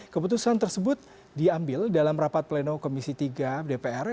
keputusan tersebut diambil dalam rapat pleno komisi tiga dpr